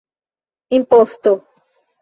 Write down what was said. imposto